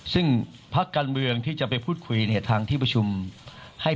ซึ่งพักการเมืองที่จะไปพูดคุยเนี่ยทางที่ประชุมให้